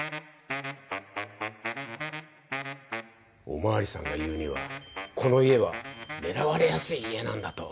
お巡りさんが言うにはこの家は狙われやすい家なんだと。